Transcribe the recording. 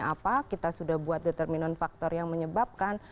apa kita sudah buat determinan faktor yang menyebabkan